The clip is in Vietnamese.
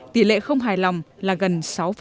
tỷ lệ không hài lòng là gần sáu